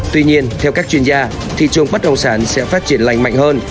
tuy nhiên theo các chuyên gia thị trường bất động sản sẽ phát triển lành mạnh hơn